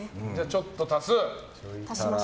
ちょっと足す。